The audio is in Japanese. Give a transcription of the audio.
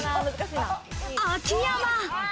秋山。